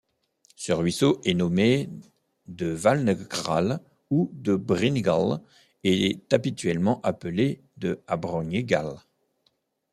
Ce ruisseau est nommé de Valnegral ou de Briñigal est habituellement appelé de Abroñigal.